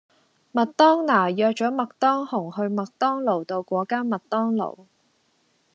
麥當娜約左麥當雄去麥當勞道果間麥當勞